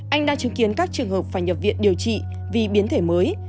anh đã chứng kiến các trường hợp phải nhập viện điều trị vì biến thể mới